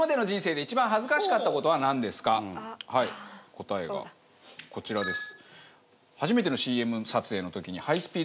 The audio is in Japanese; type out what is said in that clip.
答えがこちらです。